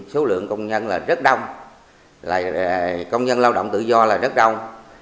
số lượng công nhân là rất đông là công nhân lao động tự do là rất đông